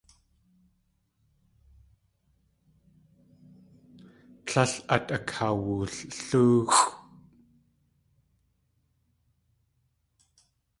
Tlél át akawullóoxʼ.